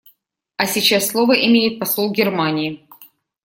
А сейчас слово имеет посол Германии.